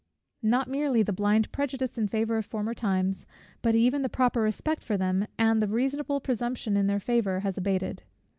Not merely the blind prejudice in favour of former times, but even the proper respect for them, and the reasonable presumption in their favour, has abated.